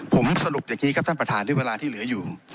ผมสรุปอย่างนี้ครับท่านประธานด้วยเวลาที่เหลืออยู่